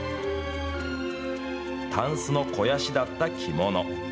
タンスの肥やしだった着物。